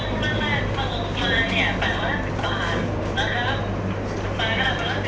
มันควรจะเข้าบ้างในวันที่๙แต่ว่าที่๙ผมเขาไปจังราวนะครับ